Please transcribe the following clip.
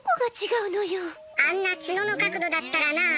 あんなツノの角度だったらなあ。